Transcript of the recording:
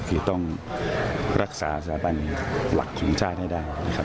การรักษาสารบรรคของชาติให้ได้นะครับ